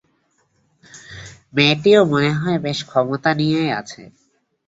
মেয়েটিও মনে হয় বেশ ক্ষমতা নিয়ে আছে।